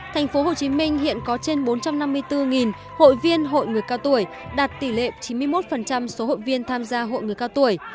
thành phố hồ chí minh hiện có trên bốn trăm năm mươi bốn hội viên hội người cao tuổi đạt tỷ lệ chín mươi một số hội viên tham gia hội người cao tuổi